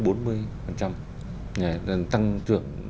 đó là tăng trưởng